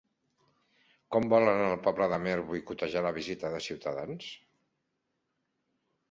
Com volen en el poble d'Amer boicotejar la visita de Ciutadans?